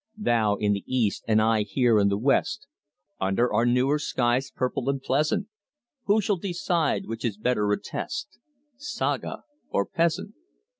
Thou in the East and I here in the West, Under our newer skies purple and pleasant: Who shall decide which is better attest, Saga or peasant?